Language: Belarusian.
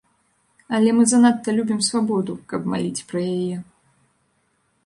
Але мы занадта любім свабоду, каб маліць пра яе.